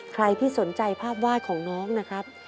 ใครที่สนใจภาพวาดของน้องนะครับ